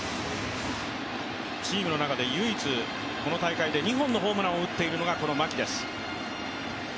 チームの中で唯一、この大会で２本のホームランを打っているのがこの牧です。